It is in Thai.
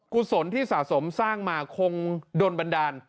กุศลที่สะสมสร้างมาคงโดนบันดาล